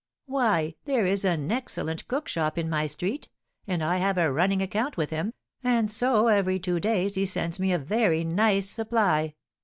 "Why, there is an excellent cookshop in my street, and I have a running account with him, and so every two days he sends me a very nice supply.